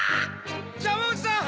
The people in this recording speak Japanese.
・ジャムおじさん！